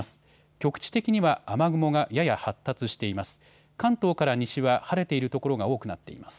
局地的には雨雲がやや発達しています。